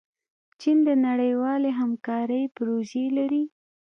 چین د نړیوالې همکارۍ پروژې لري.